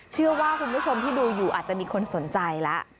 เชื่อว่าคุณผู้ชมที่ดูอยู่อาจจะมีคนสนใจแล้ว